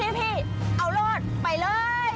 พี่เอารอดไปเลย